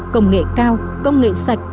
công nghệ cao công nghệ sạch